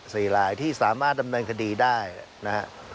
หลายที่สามารถดำเนินคดีได้นะฮะ